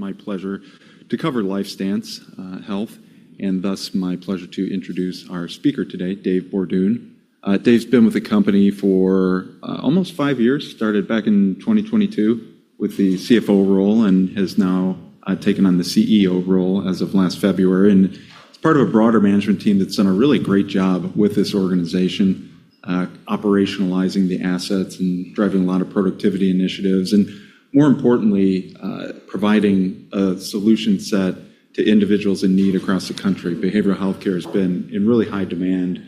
My pleasure to cover LifeStance Health, and thus my pleasure to introduce our speaker today, Dave Bourdon. Dave's been with the company for almost five years, started back in 2022 with the CFO role and has now taken on the CEO role as of last February. He's part of a broader management team that's done a really great job with this organization, operationalizing the assets and driving a lot of productivity initiatives, and more importantly providing a solution set to individuals in need across the country. Behavioral healthcare has been in really high demand,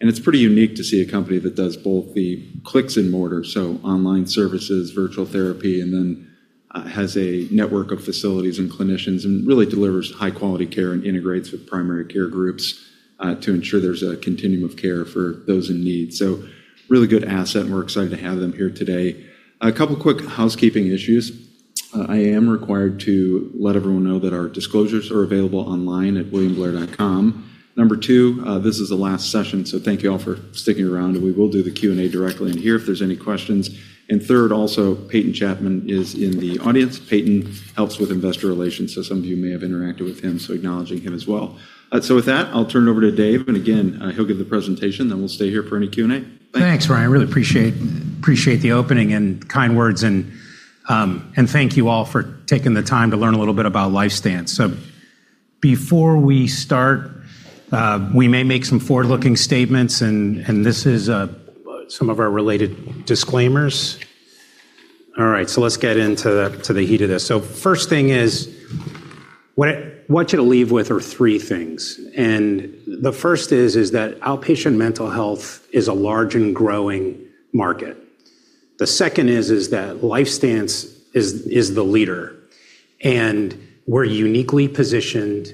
and it's pretty unique to see a company that does both the clicks and mortar, so online services, virtual therapy, and then has a network of facilities and clinicians and really delivers high-quality care and integrates with primary care groups to ensure there's a continuum of care for those in need. Really good asset, and we're excited to have them here today. A couple quick housekeeping issues. I am required to let everyone know that our disclosures are available online at williamblair.com. Number two, this is the last session, so thank you all for sticking around, and we will do the Q&A directly in here if there's any questions. Third, also, Peyton Chapman is in the audience. Peyton helps with investor relations, so some of you may have interacted with him, so acknowledging him as well. With that, I'll turn it over to Dave, and again, he'll give the presentation, then we'll stay here for any Q&A. Thanks. Thanks, Ryan. I really appreciate the opening and kind words, and thank you all for taking the time to learn a little bit about LifeStance. Before we start, we may make some forward-looking statements, and this is some of our related disclaimers. All right. Let's get into the heat of this. First thing is, what I want you to leave with are three things. The first is that outpatient mental health is a large and growing market. The second is that LifeStance is the leader, and we're uniquely positioned,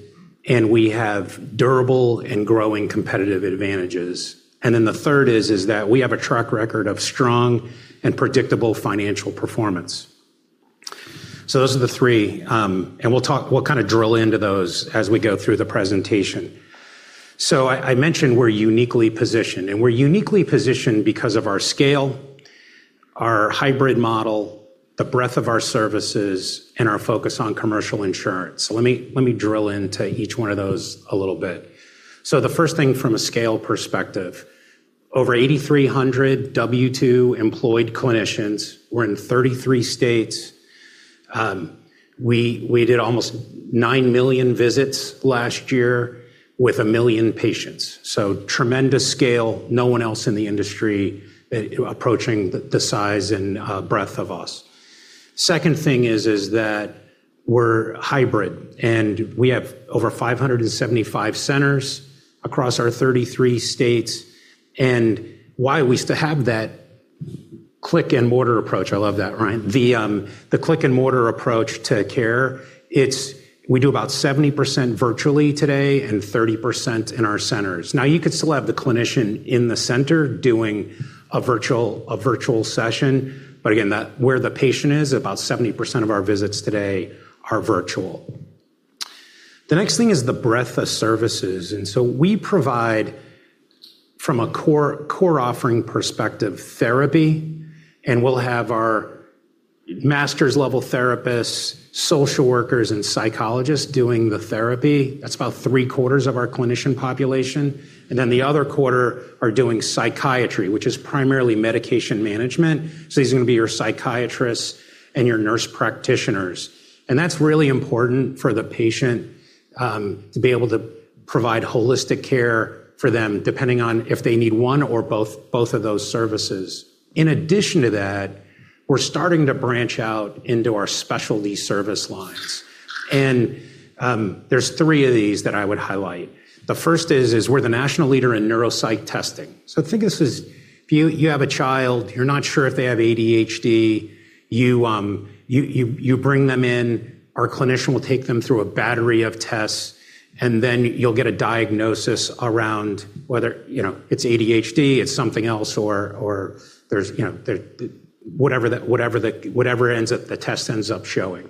and we have durable and growing competitive advantages. The third is that we have a track record of strong and predictable financial performance. Those are the three, and we'll kind of drill into those as we go through the presentation. I mentioned we're uniquely positioned, and we're uniquely positioned because of our scale, our hybrid model, the breadth of our services, and our focus on commercial insurance. Let me drill into each one of those a little bit. The first thing from a scale perspective. Over 8,300 W2 employed clinicians. We're in 33 states. We did almost 9 million visits last year with 1 million patients. Tremendous scale. No one else in the industry approaching the size and breadth of us. Second thing is that we're hybrid, and we have over 575 centers across our 33 states. Why we still have that click-and-mortar approach, I love that, Ryan. The click-and-mortar approach to care, we do about 70% virtually today and 30% in our centers. You could still have the clinician in the center doing a virtual session, but again, where the patient is, about 70% of our visits today are virtual. The next thing is the breadth of services. We provide, from a core offering perspective, therapy, and we'll have our master's-level therapists, social workers, and psychologists doing the therapy. That's about three-quarters of our clinician population. The other quarter are doing psychiatry, which is primarily medication management. These are going to be your psychiatrists and your nurse practitioners. That's really important for the patient to be able to provide holistic care for them, depending on if they need one or both of those services. In addition to that, we're starting to branch out into our specialty service lines. There's three of these that I would highlight. The first is we're the national leader in neuropsych testing. Think of this as if you have a child, you're not sure if they have ADHD, you bring them in, our clinician will take them through a battery of tests, and then you'll get a diagnosis around whether it's ADHD, it's something else, or whatever the test ends up showing.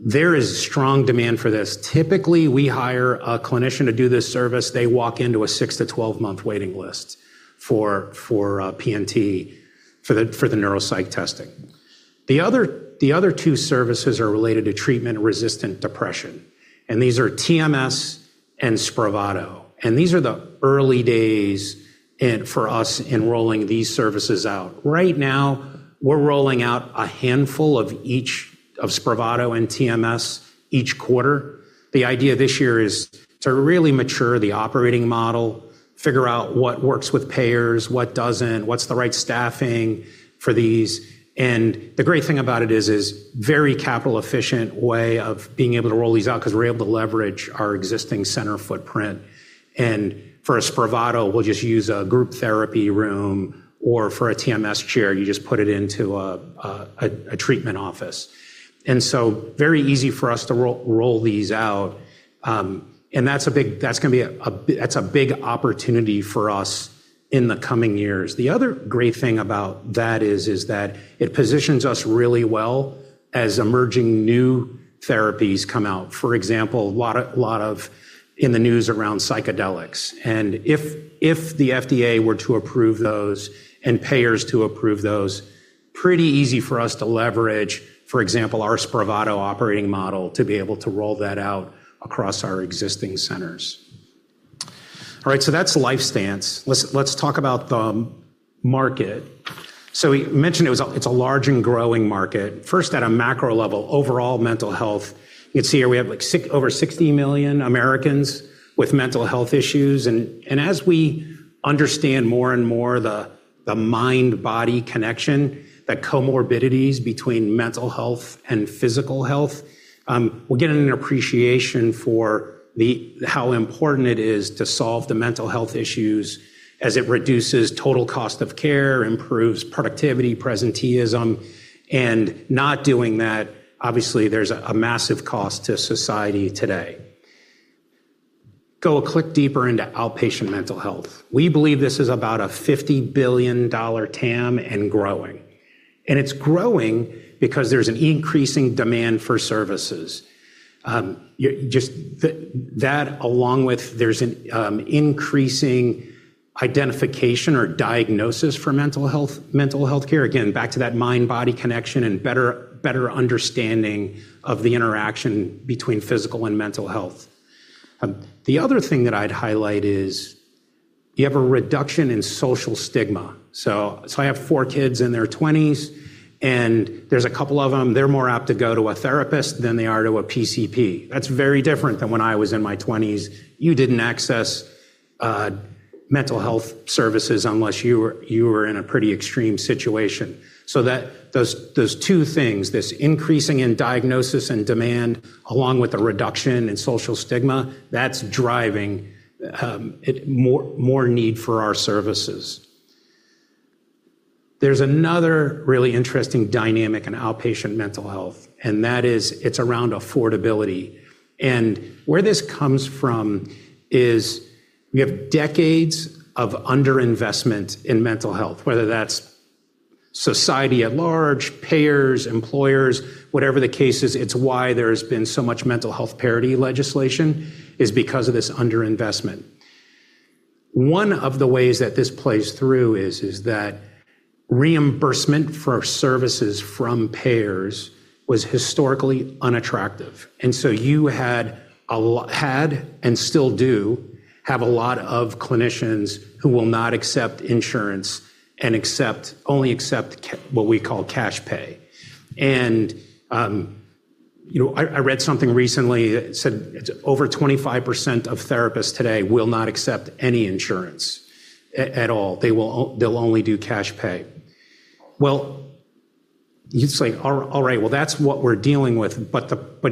There is strong demand for this. Typically, we hire a clinician to do this service. They walk into a six to 12-month waiting list for PNT for the neuropsych testing. The other two services are related to treatment-resistant depression, and these are TMS and SPRAVATO. These are the early days for us in rolling these services out. Right now, we're rolling out a handful of each of SPRAVATO and TMS each quarter. The idea this year is to really mature the operating model, figure out what works with payers, what doesn't, what's the right staffing for these. The great thing about it is very capital efficient way of being able to roll these out because we're able to leverage our existing center footprint. For a SPRAVATO, we'll just use a group therapy room, or for a TMS chair, you just put it into a treatment office. Very easy for us to roll these out. That's a big opportunity for us in the coming years. The other great thing about that is that it positions us really well as emerging new therapies come out. For example, a lot of in the news around psychedelics. if the FDA were to approve those and payers to approve those, pretty easy for us to leverage, for example, our SPRAVATO operating model to be able to roll that out across our existing centers. All right, that's LifeStance. Let's talk about the market. we mentioned it's a large and growing market. First, at a macro level, overall mental health, you can see here we have over 60 million Americans with mental health issues. as we understand more and more the mind-body connection, the comorbidities between mental health and physical health, we're getting an appreciation for how important it is to solve the mental health issues as it reduces total cost of care, improves productivity, presenteeism, and not doing that, obviously, there's a massive cost to society today. Go a click deeper into outpatient mental health. We believe this is about a $50 billion TAM and growing. It's growing because there's an increasing demand for services. That along with there's an increasing identification or diagnosis for mental health care. Again, back to that mind-body connection and better understanding of the interaction between physical and mental health. The other thing that I'd highlight is you have a reduction in social stigma. I have four kids in their 20s, and there's a couple of them, they're more apt to go to a therapist than they are to a PCP. That's very different than when I was in my 20s. You didn't access mental health services unless you were in a pretty extreme situation. Those two things, this increasing in diagnosis and demand, along with the reduction in social stigma, that's driving more need for our services. There's another really interesting dynamic in outpatient mental health, and that is it's around affordability. Where this comes from is we have decades of under-investment in mental health, whether that's society at large, payers, employers, whatever the case is. It's why there has been so much mental health parity legislation is because of this under-investment. One of the ways that this plays through is that reimbursement for services from payers was historically unattractive. You had, and still do, have a lot of clinicians who will not accept insurance and only accept what we call cash pay. I read something recently that said over 25% of therapists today will not accept any insurance at all. They'll only do cash pay. You'd say, "All right. Well, that's what we're dealing with."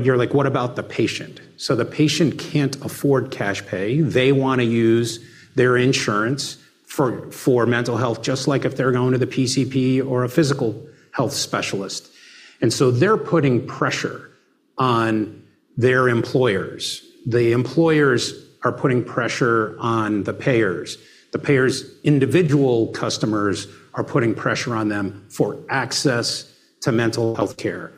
You're like, "What about the patient?" The patient can't afford cash pay. They want to use their insurance for mental health, just like if they're going to the PCP or a physical health specialist. They're putting pressure on their employers. The employers are putting pressure on the payers. The payers' individual customers are putting pressure on them for access to mental health care.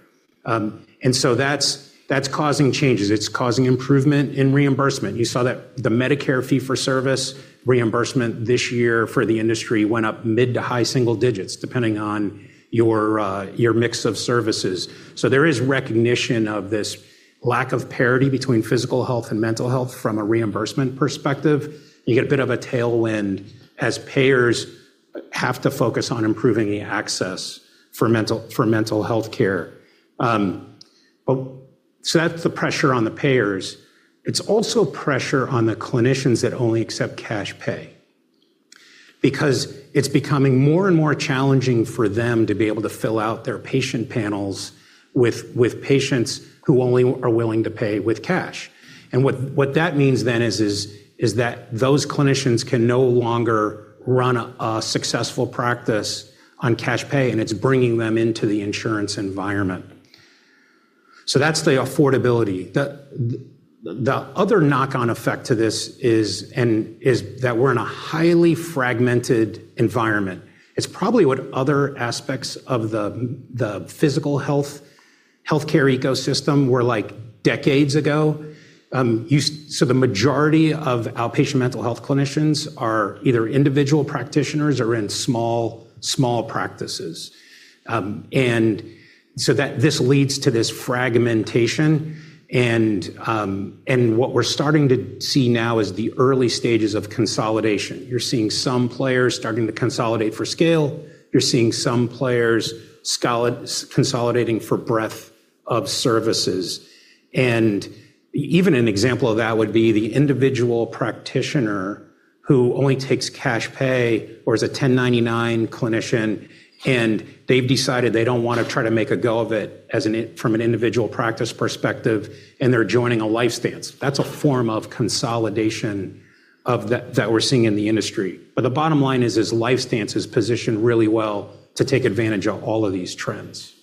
That's causing changes. It's causing improvement in reimbursement. You saw that the Medicare fee-for-service reimbursement this year for the industry went up mid to high single digits, depending on your mix of services. There is recognition of this lack of parity between physical health and mental health from a reimbursement perspective. You get a bit of a tailwind as payers have to focus on improving the access for mental health care. That's the pressure on the payers. It's also pressure on the clinicians that only accept cash pay. Because it's becoming more and more challenging for them to be able to fill out their patient panels with patients who only are willing to pay with cash. What that means then is that those clinicians can no longer run a successful practice on cash pay, and it's bringing them into the insurance environment. That's the affordability. The other knock-on effect to this is that we're in a highly fragmented environment. It's probably what other aspects of the physical health care ecosystem were like decades ago. The majority of outpatient mental health clinicians are either individual practitioners or in small practices. This leads to this fragmentation, and what we're starting to see now is the early stages of consolidation. You're seeing some players starting to consolidate for scale. You're seeing some players consolidating for breadth of services. Even an example of that would be the individual practitioner who only takes cash pay or is a 1099 clinician, and they've decided they don't want to try to make a go of it from an individual practice perspective, and they're joining a LifeStance. That's a form of consolidation that we're seeing in the industry. The bottom line is LifeStance is positioned really well to take advantage of all of these trends.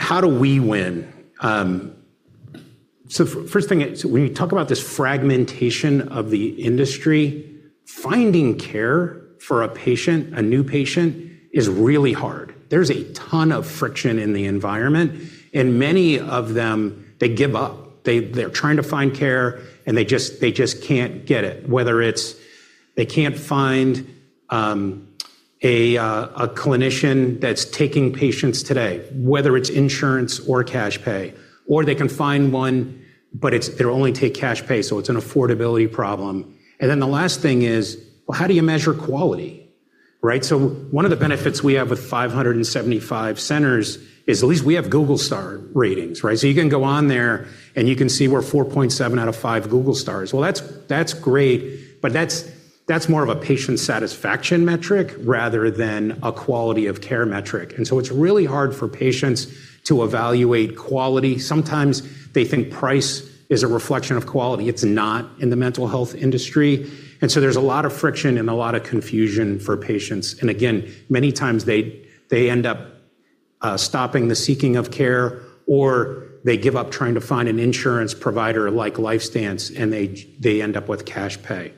How do we win? First thing is when you talk about this fragmentation of the industry, finding care for a patient, a new patient, is really hard. There's a ton of friction in the environment, and many of them, they give up. They're trying to find care, and they just can't get it. Whether it's they can't find a clinician that's taking patients today, whether it's insurance or cash pay, or they can find one, but they only take cash pay, so it's an affordability problem. The last thing is, well, how do you measure quality? Right? One of the benefits we have with 575 centers is at least we have Google Star ratings, right? You can go on there, and you can see we're 4.7 out of five Google Stars. Well, that's great, but that's more of a patient satisfaction metric rather than a quality of care metric. It's really hard for patients to evaluate quality. Sometimes they think price is a reflection of quality. It's not in the mental health industry. There's a lot of friction and a lot of confusion for patients. again, many times they end up stopping the seeking of care, or they give up trying to find an insurance provider like LifeStance, and they end up with cash pay.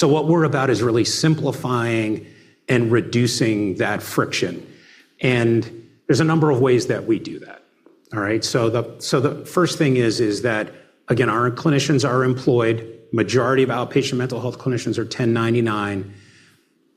what we're about is really simplifying and reducing that friction. there's a number of ways that we do that. All right? the first thing is that, again, our clinicians are employed. Majority of outpatient mental health clinicians are 1099.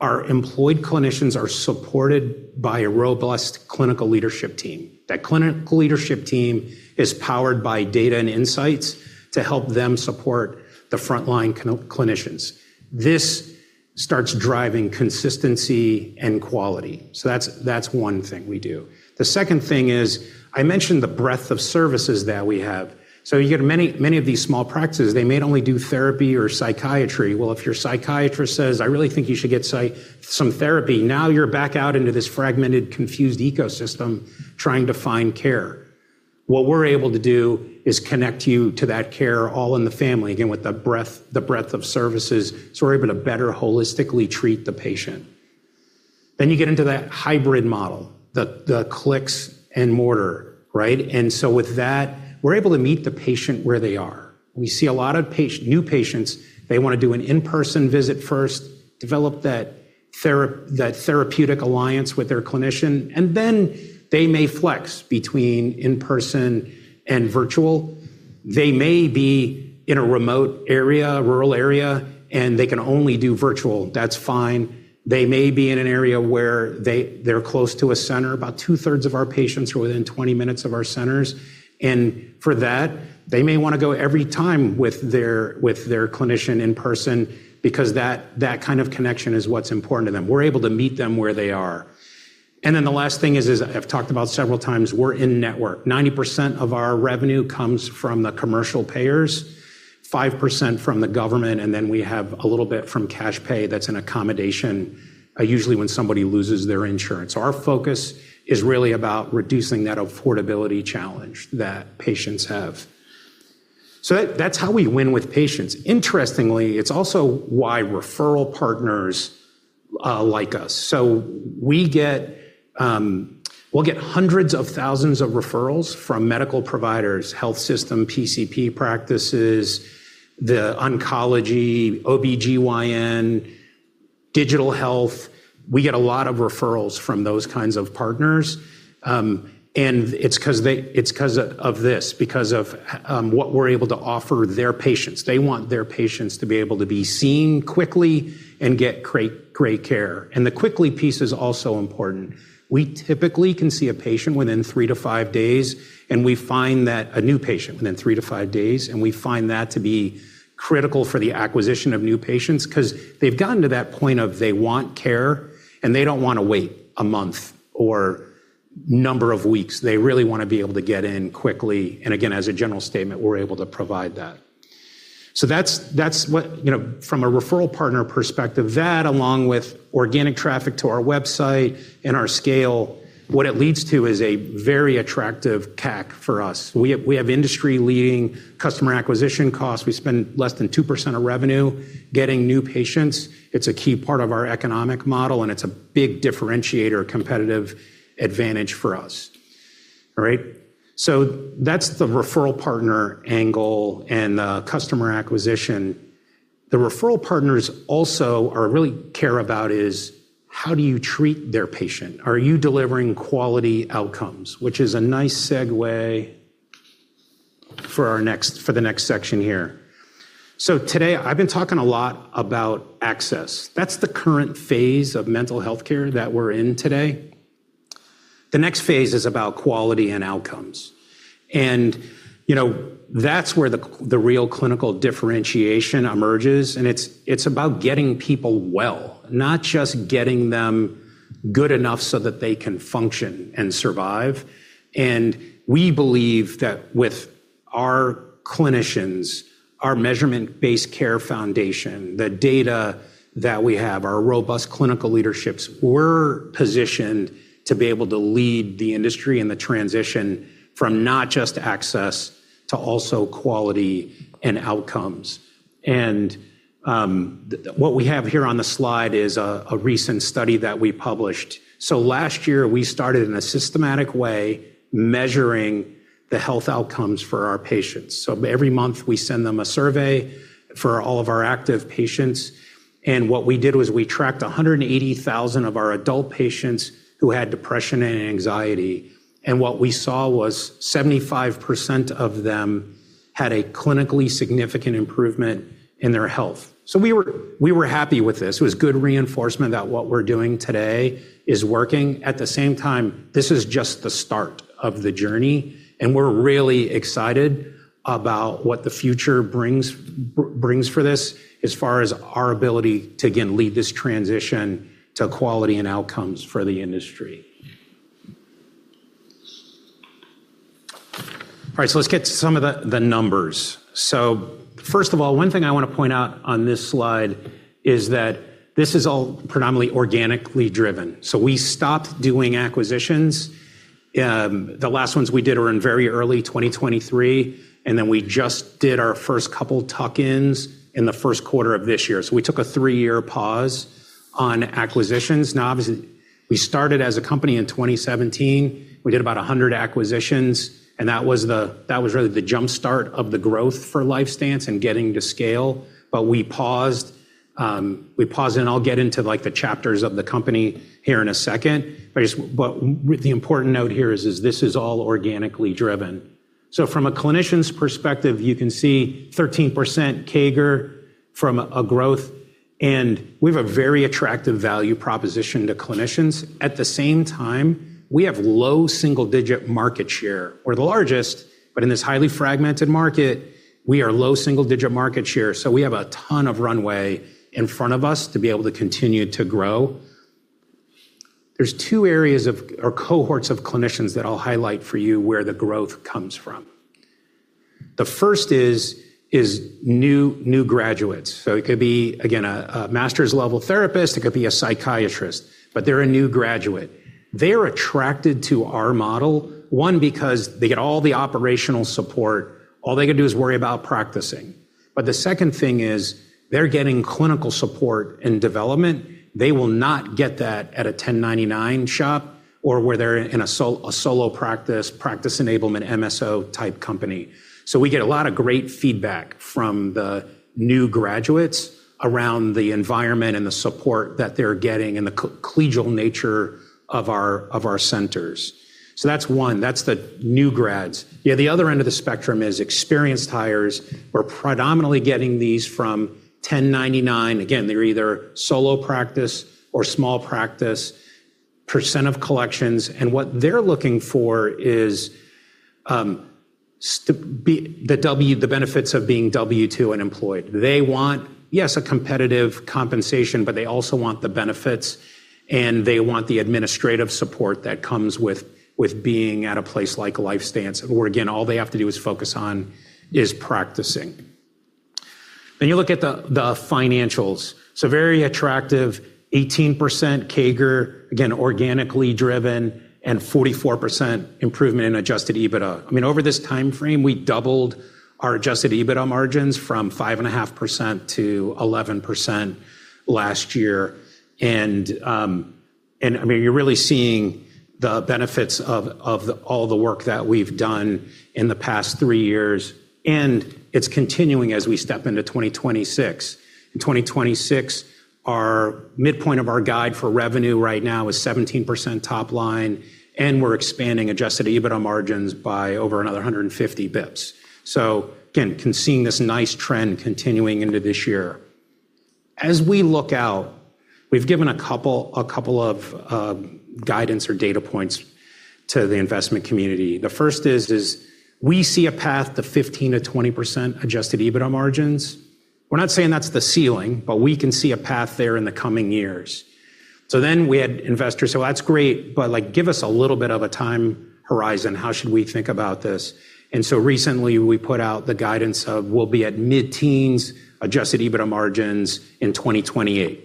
Our employed clinicians are supported by a robust clinical leadership team. That clinical leadership team is powered by data and insights to help them support the frontline clinicians. This starts driving consistency and quality. that's one thing we do. The second thing is, I mentioned the breadth of services that we have. you get many of these small practices, they may only do therapy or psychiatry. Well, if your psychiatrist says, "I really think you should get some therapy," now you're back out into this fragmented, confused ecosystem trying to find care. What we're able to do is connect you to that care all in the family, again, with the breadth of services, we're able to better holistically treat the patient. You get into that hybrid model, the click-and-mortar, right? With that, we're able to meet the patient where they are. We see a lot of new patients. They want to do an in-person visit first, develop that therapeutic alliance with their clinician, and then they may flex between in-person and virtual. They may be in a remote area, rural area, and they can only do virtual. That's fine. They may be in an area where they're close to a center. About 2/3 of our patients are within 20 minutes of our centers. For that, they may want to go every time with their clinician in person because that kind of connection is what's important to them. We're able to meet them where they are. The last thing is, I've talked about several times, we're in-network. 90% of our revenue comes from the commercial payers, 5% from the government, and then we have a little bit from cash pay that's an accommodation, usually when somebody loses their insurance. Our focus is really about reducing that affordability challenge that patients have. That's how we win with patients. Interestingly, it's also why referral partners like us. We'll get hundreds of thousands of referrals from medical providers, health system, PCP practices, the oncology, OBGYN, digital health. We get a lot of referrals from those kinds of partners. It's because of this, because of what we're able to offer their patients. They want their patients to be able to be seen quickly and get great care. The quickly piece is also important. We typically can see a patient within three to five days, a new patient within three to five days, and we find that to be critical for the acquisition of new patients because they've gotten to that point of they want care, and they don't want to wait a month or number of weeks. They really want to be able to get in quickly. Again, as a general statement, we're able to provide that. From a referral partner perspective, that along with organic traffic to our website and our scale, what it leads to is a very attractive CAC for us. We have industry-leading customer acquisition costs. We spend less than 2% of revenue getting new patients. It's a key part of our economic model, and it's a big differentiator, competitive advantage for us. All right? that's the referral partner angle and the customer acquisition. The referral partners also really care about is how do you treat their patient? Are you delivering quality outcomes? Which is a nice segue for the next section here. today, I've been talking a lot about access. That's the current phase of mental health care that we're in today. The next phase is about quality and outcomes. that's where the real clinical differentiation emerges. it's about getting people well, not just getting them good enough so that they can function and survive. We believe that with our clinicians, our measurement-based care foundation, the data that we have, our robust clinical leaderships, we're positioned to be able to lead the industry in the transition from not just access to also quality and outcomes. What we have here on the slide is a recent study that we published. Last year, we started in a systematic way measuring the health outcomes for our patients. Every month, we send them a survey for all of our active patients. What we did was we tracked 180,000 of our adult patients who had depression and anxiety. What we saw was 75% of them had a clinically significant improvement in their health. We were happy with this. It was good reinforcement that what we're doing today is working. At the same time, this is just the start of the journey, and we're really excited about what the future brings for this as far as our ability to, again, lead this transition to quality and outcomes for the industry. All right. Let's get to some of the numbers. First of all, one thing I want to point out on this slide is that this is all predominantly organically driven. We stopped doing acquisitions. The last ones we did were in very early 2023, and then we just did our first couple tuck-ins in the first quarter of this year. We took a three-year pause on acquisitions. Now, obviously, we started as a company in 2017. We did about 100 acquisitions, and that was really the jumpstart of the growth for LifeStance and getting to scale, but we paused, and I'll get into the chapters of the company here in a second. The important note here is this is all organically driven. From a clinician's perspective, you can see 13% CAGR from a growth, and we have a very attractive value proposition to clinicians. At the same time, we have low single-digit market share. We're the largest, but in this highly fragmented market, we are low single-digit market share. We have a ton of runway in front of us to be able to continue to grow. There's two areas or cohorts of clinicians that I'll highlight for you where the growth comes from. The first is new graduates. It could be, again, a master's-level therapist, it could be a psychiatrist, but they're a new graduate. They are attracted to our model, one, because they get all the operational support. All they can do is worry about practicing. The second thing is, they're getting clinical support and development. They will not get that at a 1099 shop or where they're in a solo practice enablement, MSO-type company. We get a lot of great feedback from the new graduates around the environment and the support that they're getting and the collegial nature of our centers. That's one. That's the new grads. The other end of the spectrum is experienced hires. We're predominantly getting these from 1099. Again, they're either solo practice or small practice, percent of collections, and what they're looking for is the benefits of being W2 and employed. They want, yes, a competitive compensation, but they also want the benefits, and they want the administrative support that comes with being at a place like LifeStance where, again, all they have to do is focus on is practicing. You look at the financials. Very attractive 18% CAGR, again, organically driven, and 44% improvement in adjusted EBITDA. Over this timeframe, we doubled our adjusted EBITDA margins from 5.5%-11% last year. You're really seeing the benefits of all the work that we've done in the past three years, and it's continuing as we step into 2026. In 2026, our midpoint of our guide for revenue right now is 17% top line, and we're expanding adjusted EBITDA margins by over another 150 basis points. Again, seeing this nice trend continuing into this year. As we look out, we've given a couple of guidance or data points to the investment community. The first is we see a path to 15%-20% adjusted EBITDA margins. We're not saying that's the ceiling, but we can see a path there in the coming years. We had investors say, "Well, that's great, but give us a little bit of a time horizon. How should we think about this?" Recently, we put out the guidance of we'll be at mid-teens adjusted EBITDA margins in 2028.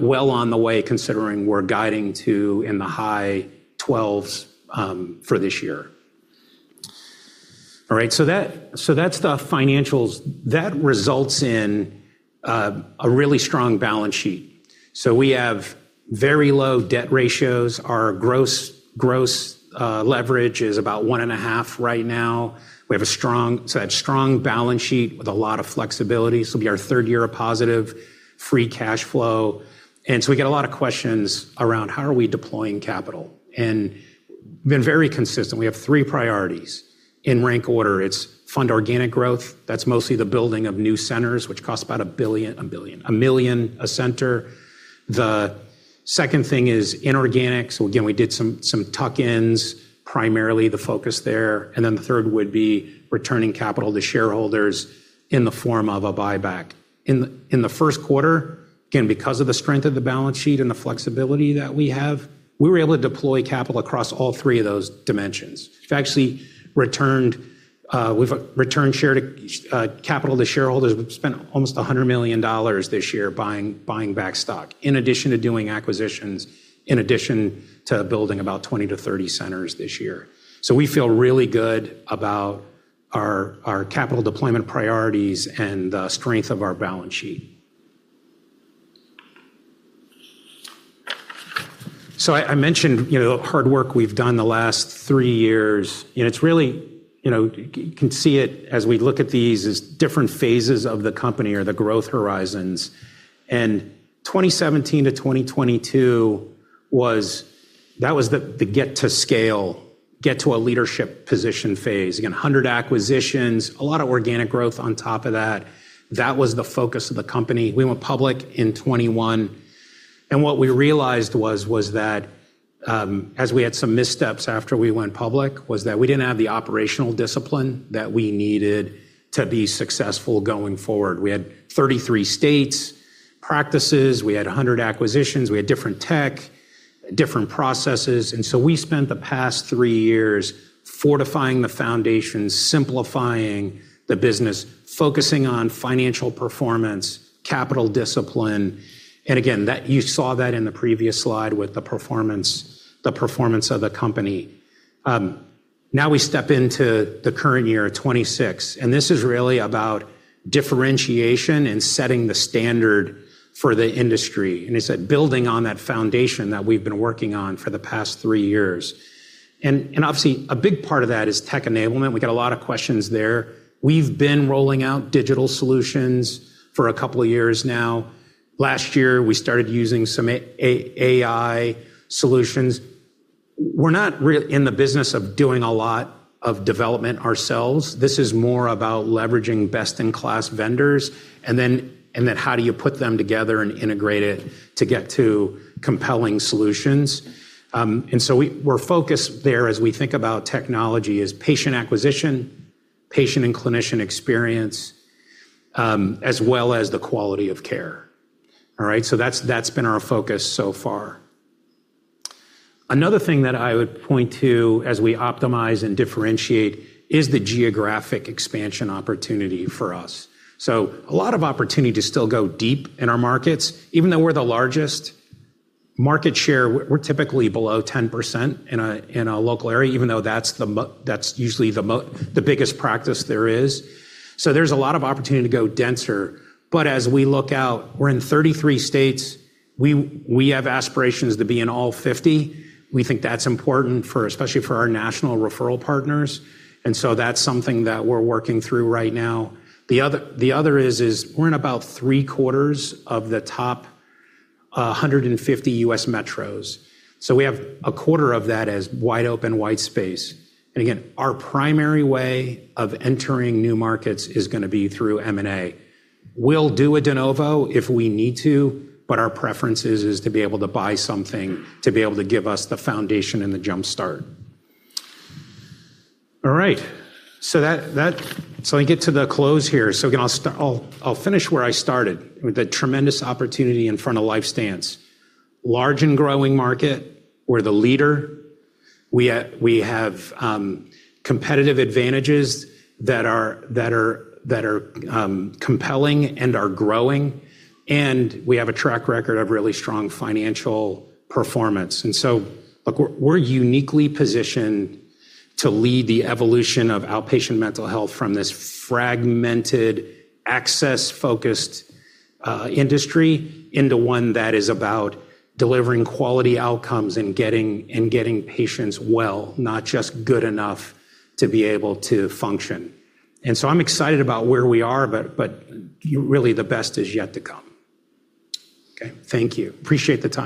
Well on the way considering we're guiding to in the high twelves for this year. All right. That's the financials. That results in a really strong balance sheet. We have very low debt ratios. Our gross leverage is about one and a half right now. We have a strong balance sheet with a lot of flexibility. This will be our third year of positive free cash flow. We get a lot of questions around how are we deploying capital, and we've been very consistent. We have three priorities. In rank order, it's fund organic growth. That's mostly the building of new centers, which costs about a million a center. The second thing is inorganic. Again, we did some tuck-ins, primarily the focus there, and then the third would be returning capital to shareholders in the form of a buyback. In the first quarter, again, because of the strength of the balance sheet and the flexibility that we have, we were able to deploy capital across all three of those dimensions. We've returned capital to shareholders. We've spent almost $100 million this year buying back stock, in addition to doing acquisitions, in addition to building about 20-30 centers this year. We feel really good about our capital deployment priorities and the strength of our balance sheet. I mentioned the hard work we've done the last three years, and you can see it as we look at these as different phases of the company or the growth horizons. 2017-2022 was That was the get to scale, get to a leadership position phase. Again, 100 acquisitions, a lot of organic growth on top of that. That was the focus of the company. We went public in 2021, and what we realized was that as we had some missteps after we went public, was that we didn't have the operational discipline that we needed to be successful going forward. We had 33 states, practices, we had 100 acquisitions, we had different tech, different processes, and so we spent the past three years fortifying the foundation, simplifying the business, focusing on financial performance, capital discipline, and again, you saw that in the previous slide with the performance of the company. Now we step into the current year, 2026, and this is really about differentiation and setting the standard for the industry. It's that building on that foundation that we've been working on for the past three years. Obviously, a big part of that is tech enablement. We got a lot of questions there. We've been rolling out digital solutions for a couple of years now. Last year, we started using some AI solutions. We're not really in the business of doing a lot of development ourselves. This is more about leveraging best-in-class vendors and then how do you put them together and integrate it to get to compelling solutions. We're focused there as we think about technology, is patient acquisition, patient and clinician experience, as well as the quality of care. All right? That's been our focus so far. Another thing that I would point to as we optimize and differentiate is the geographic expansion opportunity for us. A lot of opportunity to still go deep in our markets. Even though we're the largest market share, we're typically below 10% in a local area, even though that's usually the biggest practice there is. There's a lot of opportunity to go denser. As we look out, we're in 33 states, we have aspirations to be in all 50. We think that's important, especially for our national referral partners, and so that's something that we're working through right now. The other is, we're in about 3/4 of the top 150 U.S. metros. We have a quarter of that as wide open, white space. Again, our primary way of entering new markets is going to be through M&A. We'll do a de novo if we need to, but our preference is to be able to buy something, to be able to give us the foundation and the jumpstart. All right. I get to the close here. Again, I'll finish where I started, with the tremendous opportunity in front of LifeStance. Large and growing market. We're the leader. We have competitive advantages that are compelling and are growing, and we have a track record of really strong financial performance. Look, we're uniquely positioned to lead the evolution of outpatient mental health from this fragmented, access-focused industry into one that is about delivering quality outcomes and getting patients well, not just good enough to be able to function. I'm excited about where we are, but really the best is yet to come. Okay. Thank you. Appreciate the time.